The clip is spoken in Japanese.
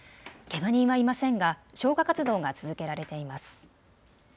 けが人はいませんが消火活動が続けられています。